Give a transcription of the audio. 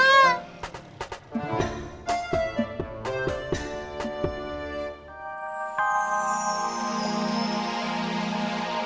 terima kasih kru duenya ya kakak